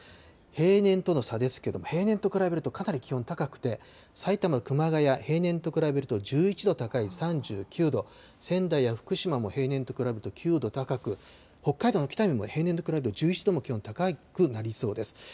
平年との差ですけども、平年と比べるとかなり気温高くて、埼玉・熊谷、平年と比べると１１度高い３９度、仙台や福島も平年と比べると９度高く、北海道の北見も平年と比べると１１度も気温、高くなりそうです。